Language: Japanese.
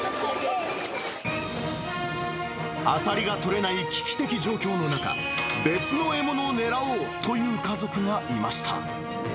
アサリが取れない危機的状況の中、別の獲物を狙おうという家族がいました。